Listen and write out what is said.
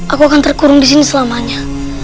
aku akan terkurung disini selamanya